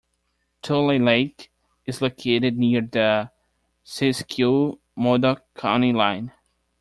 Tulelake is located near the Siskiyou-Modoc County line.